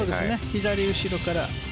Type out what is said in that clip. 左後ろから。